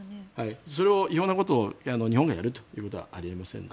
それを違法なことを日本がやるということはあり得ませんので。